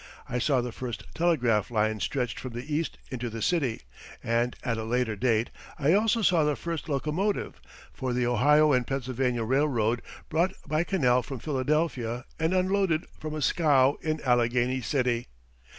I saw the first telegraph line stretched from the east into the city; and, at a later date, I also saw the first locomotive, for the Ohio and Pennsylvania Railroad, brought by canal from Philadelphia and unloaded from a scow in Allegheny City.